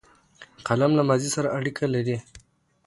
قلم له ماضي سره اړیکه لري